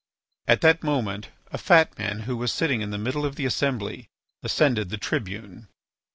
At that moment a fat man who was sitting in the middle of the assembly ascended the tribune.